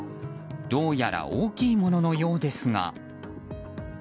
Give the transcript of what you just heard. どうやら大きいもののようですが。